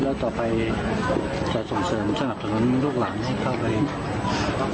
แล้วต่อไปจะส่งเสริมสนับสนุนลูกหลานให้เข้าไป